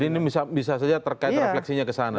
jadi ini bisa saja terkait refleksinya kesana